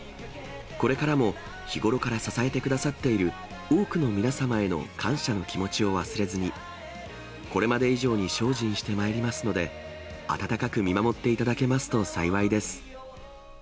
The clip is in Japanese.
これからも日頃から支えてくださっている多くの皆様への感謝の気持ちを忘れずに、これまで以上に精進してまいりますので、温かく見守っていただけますと幸いです。